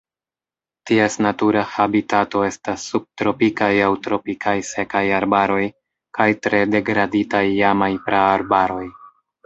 Ties natura habitato estas subtropikaj aŭ tropikaj sekaj arbaroj kaj tre degraditaj iamaj praarbaroj.